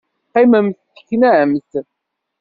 Qqimemt teknamt!